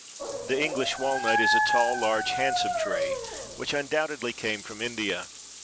The English walnut is a tall, large, handsome tree which undoubtedly came from India.